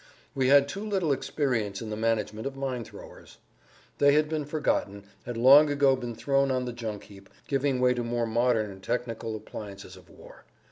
We had too little experience in the management of mine throwers. They had been forgotten, had long ago been thrown on the junk heap, giving way to more modern technical appliances of war.